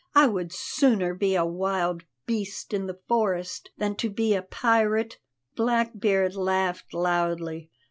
"I would sooner be a wild beast in the forest than to be a pirate!" Blackbeard laughed loudly.